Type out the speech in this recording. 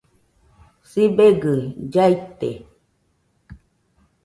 Sibegɨ llaite